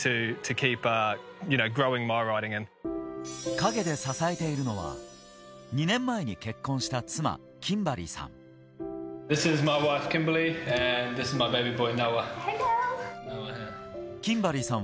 影で支えているのは、２年前に結婚した妻・キンバリーさん。